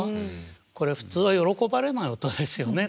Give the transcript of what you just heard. これ普通は喜ばれない音ですよね。